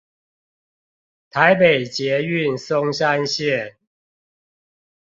臺北捷運松山線